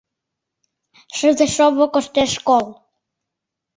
Шыве-шово коштеш кол.